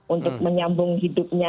untuk menyambung hidupnya